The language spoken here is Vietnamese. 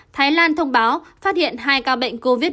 thái lan thông báo phát hiện hai ca bệnh covid một mươi chín